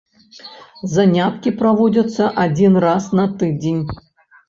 Заняткі праводзяцца адзін раз на тыдзень.